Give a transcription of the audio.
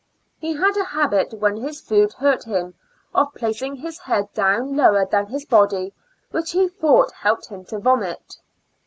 He had a habit, when his food hm^t him, of placing his head down lower than his bod}^, which he thought helped him to vomit.